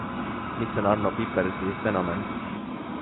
Mis on Arno Pijpersi fenomen?